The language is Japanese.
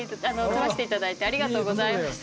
採らせていただいてありがとうございました。